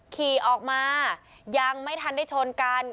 ขี่ออกมายังไม่ทันได้ชนกัน